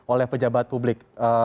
oleh pejabat publik